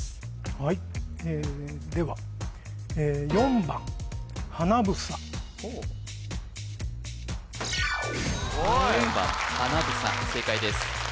はいでは４番はなぶさ正解です